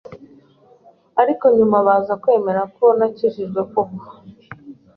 ariko nyuma baza kwemera ko nakijijwe koko